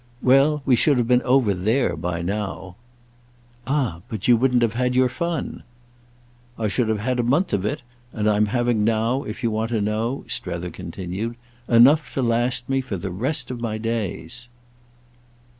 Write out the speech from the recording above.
"Well, we should have been over there by now." "Ah but you wouldn't have had your fun!" "I should have had a month of it; and I'm having now, if you want to know," Strether continued, "enough to last me for the rest of my days."